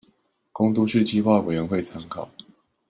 供都市計畫委員會參考